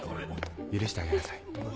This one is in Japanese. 許してあげなさい